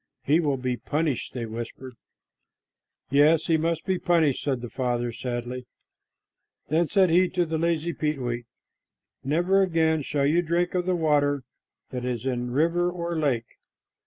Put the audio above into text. "He will be punished," they whispered. "Yes, he must be punished," said the Father sadly. Then said he to the lazy peetweet, "Never again shall you drink of the water that is in river or lake.